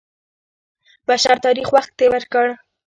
بشر تاریخ وخت کې وکړ.